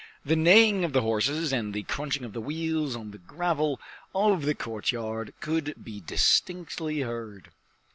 The neighing of the horses and the crunching of the wheels on the gravel of the courtyard could be distinctly heard.